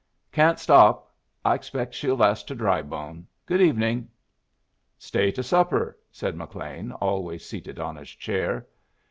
"Can't stop. I expect she'll last to Drybone. Good evening." "Stay to supper," said McLean, always seated on his chair.